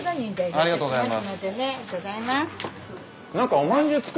ありがとうございます。